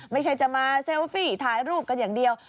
ไม่ใช่จะมาเซลฟี่ถ่ายรูปกันอย่างเดียว